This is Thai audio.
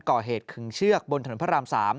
เกาะเหตุขึงเชือกบนถนนพระราม๓